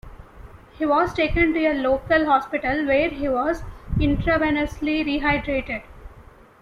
He was taken to a local hospital where he was intravenously rehydrated.